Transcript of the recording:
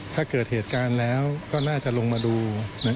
ถ้าเกิดเหตุการณ์แล้วก็น่าจะลงมาดู